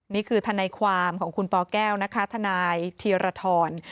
นี่คือธนายความของคุณปแก้วนะคะธนายเทียรฐร